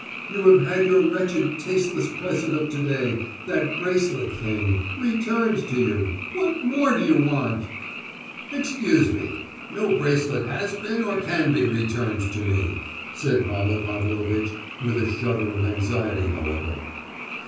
You have had your wretched tasteless present of to day—that bracelet thing—returned to you; what more do you want?" "Excuse me, no bracelet has been, or can be returned to me," said Pavel Pavlovitch, with a shudder of anxiety, however.